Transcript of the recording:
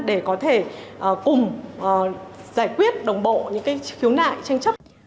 để có thể cùng giải quyết đồng bộ những khiếu nại tranh chấp